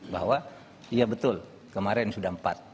bahwa iya betul kemarin sudah empat